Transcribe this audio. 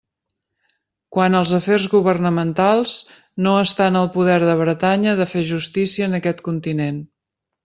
Quant als afers governamentals, no està en el poder de Bretanya de fer justícia en aquest continent.